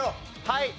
はい！